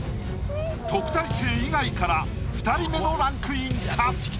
特待生以外から２人目のランクインか？